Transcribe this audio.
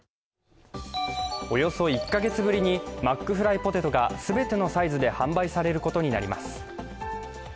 およそ１カ月ぶりにマックフライポテトが全てのサイズで販売されることになります。